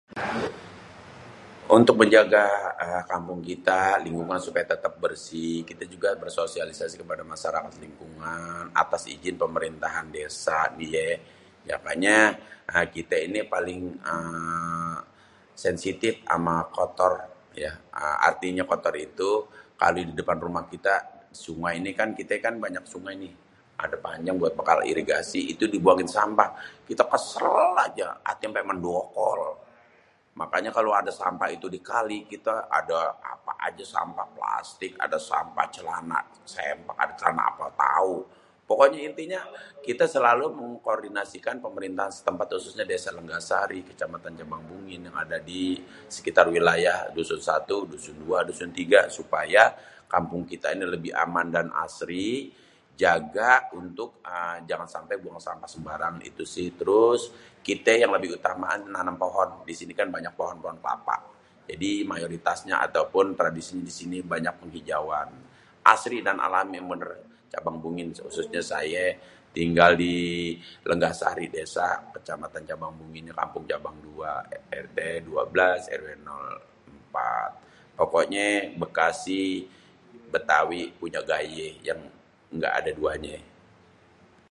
Untuk menjaga kampung kita, lingkungan supaya tetep bersih kita juga bersosialisasi kepada masyarakat lingkungan apa izin pemerintahan desa ye makanya kita ini apa eee sensitif pada kotor, artinya kotor itu kalo di depan rumah kita sungai ini kan kita kan banyak sungai nih, ada panjang buat bekal irigasi dibuangin sampah. Kita kesel aja, ati ampe mendokol mangkanya kalo ada sampah itu di kali kita ada apa aja sampah plastik, ada sampah celana sempak, ada celana apa tau. Pokoknya intinya kita selalu mengkoordinasikan pemerintahan setempat khususnya desa Lenggah Sari, Kecamatan Cabang Bungin yang ada di sekitar wilayah dusun satu, dusun dua, dusun tiga supaya kampung kita ini lebih aman dan asri. Jaga untuk jangan sampe uang sampah sembarangan sih terus kite yang lebih utamaan nanem poon, di sini kan banyak pohon pohon kelapa. Jadi mayoritasnya ataupun tradisinya di sini banyak penghijauan asri dan alami menurut Cabang Bungin khususnye sayé tinggal dilenggah sari desa Kecamatan Cabang Bungin kampung cabang dua RT.12 RW.04 pokoknye Bekasi Betawi punye gaye yang enggak ada duanye.